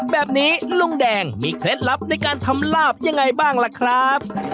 แบบนี้ลุงแดงมีเคล็ดลับในการทำลาบยังไงบ้างล่ะครับ